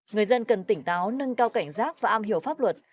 người dân cần tỉnh táo nâng cao cảnh giác và am hiểu pháp luật